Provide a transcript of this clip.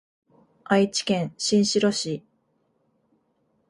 愛知県新城市